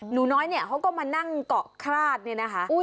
หนูน้อยเนี่ยเขาก็มานั่งเกาะคราดเนี่ยนะคะ